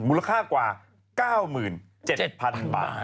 มูลค่ากว่า๙๗๐๐๐บาท